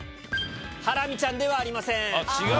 ハラミちゃんではありません。